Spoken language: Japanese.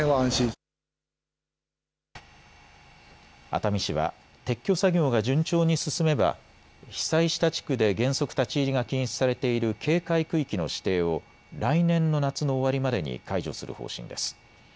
熱海市は撤去作業が順調に進めば被災した地区で原則立ち入りが禁止されている警戒区域の指定を来年の夏の終わりまでに解除する方針です。